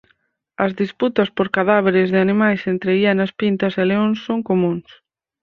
As disputas por cadáveres de animais entre hienas pintas e leóns son comúns.